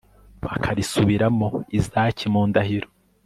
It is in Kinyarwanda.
akarisubiriramo izaki mu ndahiro